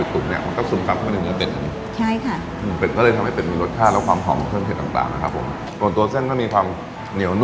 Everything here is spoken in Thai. รสชาติของเป็ดมันเหมือนกับว่าไอ้ที่เราเครื่องตามที่เราเอาไปตลกเนี้ย